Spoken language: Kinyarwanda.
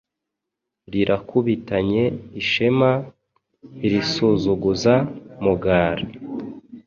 Rirakubitanye ishema, Irisuzuguza Mugara